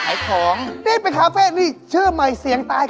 แปลงสะเก็ดระเบิดรูปปืนไปด้วยเหรอเนี่ย